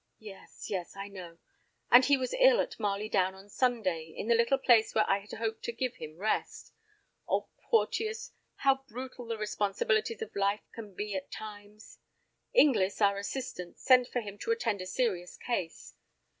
"Yes, yes, I know; and he was ill at Marley Down on Sunday, in the little place where I had hoped to give him rest. Oh, Porteus, how brutal the responsibilities of life can be at times! Inglis, our assistant, sent for him to attend a serious case.